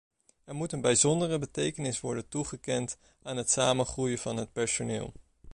Er moet een bijzondere betekenis worden toegekend aan het samengroeien van het personeel.